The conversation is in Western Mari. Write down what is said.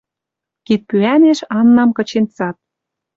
Кидпӱӓнеш Аннам кычен цат.